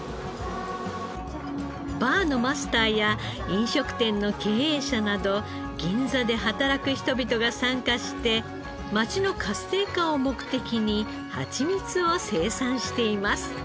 バーのマスターや飲食店の経営者など銀座で働く人々が参加して街の活性化を目的にハチミツを生産しています。